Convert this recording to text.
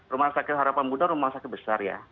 rumah sakit harapan buddha rumah sakit besar ya